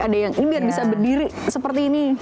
ada yang imbian bisa berdiri seperti ini